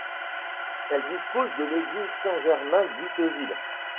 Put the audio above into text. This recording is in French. Elle dispose de l'église Saint-Germain d'Itteville.